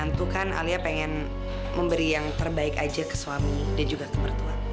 tentu kan alia pengen memberi yang terbaik aja ke suami dan juga kemertuan